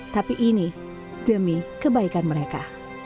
tapi ini demi kebaikan mereka